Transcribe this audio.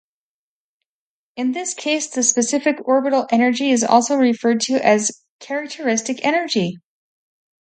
In this case the specific orbital energy is also referred to as characteristic energy.